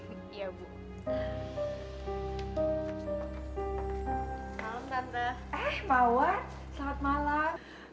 eh mawar selamat malam